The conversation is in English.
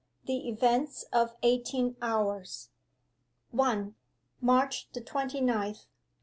XXI. THE EVENTS OF EIGHTEEN HOURS 1. MARCH THE TWENTY NINTH.